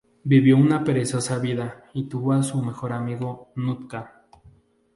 Vivió una perezosa vida y tuvo a su mejor amigo Nutka.